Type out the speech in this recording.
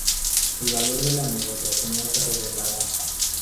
El valor de la negociación es revelada.